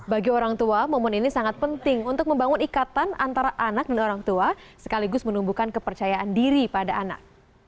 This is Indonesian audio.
bagi orang tua momen ini sangat penting untuk membangun ikatan antara anak dan orang tua sekaligus menumbuhkan kepercayaan diri pada anak